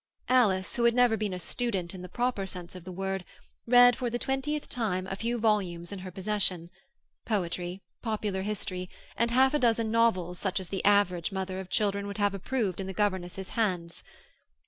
Alice, who had never been a student in the proper sense of the word, read for the twentieth time a few volumes in her possession—poetry, popular history, and half a dozen novels such as the average mother of children would have approved in the governess's hands.